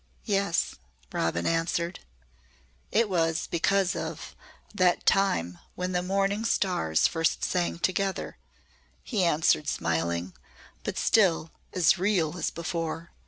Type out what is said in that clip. "Yes," Robin answered. "It was because of that time when the morning stars first sang together," he answered smiling, but still as real as before.